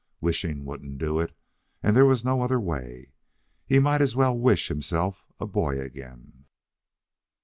Wishing wouldn't do it, and there was no other way. He might as well wish himself a boy again.